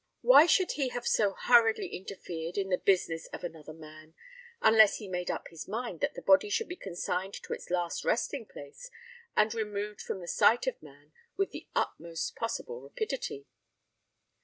Why should he have so hurriedly interfered in the business of another man, unless he had made up his mind that the body should be consigned to its last resting place, and removed from the sight of man with the utmost possible rapidity?